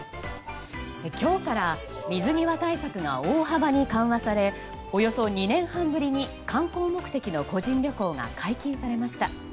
今日から水際対策が大幅に緩和されおよそ２年半ぶりに観光目的の個人旅行が解禁されました。